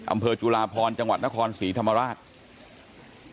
อำเภอจุลาพรจังหวัดนครศรีธรรมราช